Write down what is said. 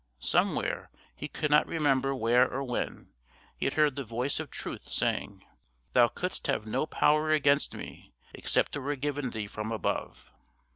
Somewhere, he could not remember where or when, he had heard the voice of truth saying, "Thou couldst have no power against me except it were given thee from above."